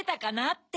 って？